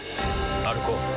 歩こう。